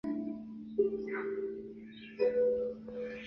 北齐天保三年三月一日葬于邺城之西的西陵。